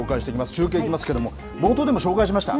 中継いきますけれども、冒頭でも紹介しました。